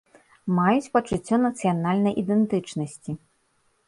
Маюць пачуццё нацыянальнай ідэнтычнасці.